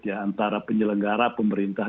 ya antara penyelenggara pemerintah